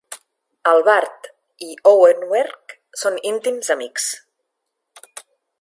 El Barth i l'Overweg són íntims amics.